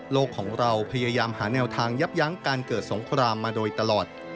ของเราพยายามหาแนวทางยับยั้งการเกิดสงครามมาโดยตลอด